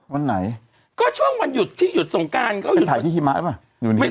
วันไหนก็ช่วงวันหยุดที่หยุดสงการก็คือถ่ายที่หิมะหรือเปล่า